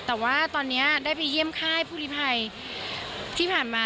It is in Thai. แต่ว่าตอนนี้ได้ไปเยี่ยมค่ายผู้ลิภัยที่ผ่านมา